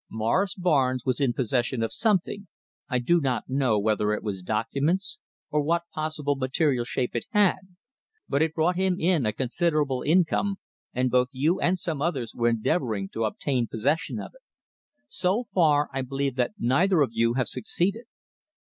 Morris Barnes was in possession of something, I do not know whether it was documents, or what possible material shape it had, but it brought him in a considerable income, and both you and some others were endeavouring to obtain possession of it. So far, I believe that neither of you have succeeded.